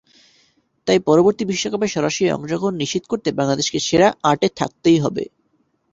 তাই পরবর্তী বিশ্বকাপে সরাসরি অংশগ্রহণ নিশ্চিত করতে বাংলাদেশকে সেরা আটে থাকতেই হবে।